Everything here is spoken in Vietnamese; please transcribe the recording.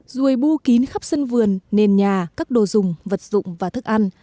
ruồi bưu kín khắp sân vườn nền nhà các đồ dùng vật dụng và thức ăn